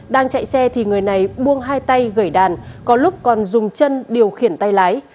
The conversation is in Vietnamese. đang chạy xe thì người này buông hai tay gẩy đàn có lúc còn dùng chân điều khiển tay lái